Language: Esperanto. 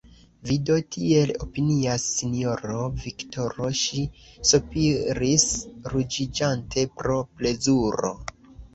Vi do tiel opinias, sinjoro Viktoro, ŝi sopiris, ruĝiĝante pro plezuro.